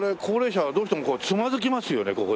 高齢者はどうしてもこうつまずきますよね